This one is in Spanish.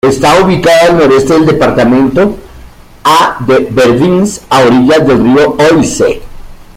Está ubicada al noreste del departamento, a de Vervins, a orillas del río Oise.